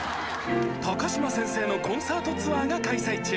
高嶋先生のコンサートツアーが開催中